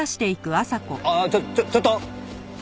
ああちょちょちょっと！